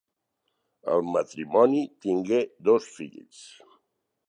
El matrimoni tingué dos fills: